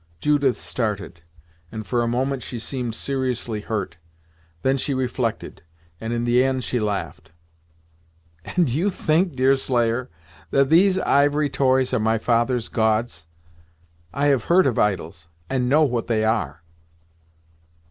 Judith started, and for a moment she seemed seriously hurt. Then she reflected, and in the end she laughed. "And you think, Deerslayer, that these ivory toys are my father's Gods? I have heard of idols, and know what they are."